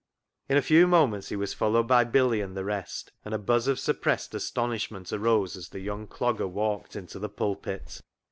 In a few moments he was followed by Billy and the rest, and a buzz of suppressed astonish ment arose as the young dogger walked into the pulpit.